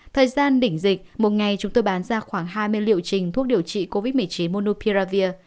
thời gian đỉnh dịch một ngày chúng tôi bán ra khoảng hai mươi liệu trình thuốc điều trị covid một mươi chín monopia